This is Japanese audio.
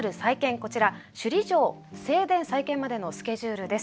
こちら首里城正殿再建までのスケジュールです。